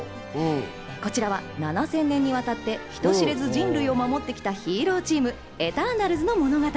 こちらは７０００年にわたって人知れず人類を守ってきたヒーローチーム、エターナルズの物語。